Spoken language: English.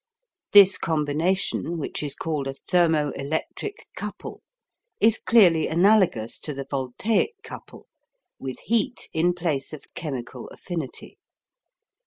This combination, which is called a "thermo electric couple," is clearly analogous to the voltaic couple, with heat in place of chemical affinity.